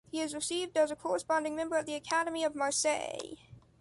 His is received as a corresponding member at the Academy of Marseille.